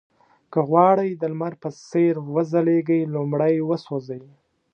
که غواړئ د لمر په څېر وځلېږئ لومړی وسوځئ.